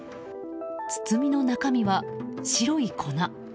包みの中身は白い粉。